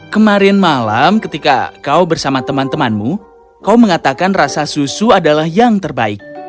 kemarin malam ketika kau bersama teman temanmu kau mengatakan rasa susu adalah yang terbaik